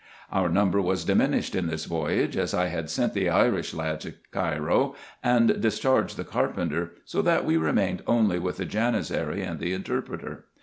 Our number was diminished in this voyage, as I had sent the Irish lad to Cairo, and discharged the carpenter ; so that we remained only with the Janizary and the interpreter.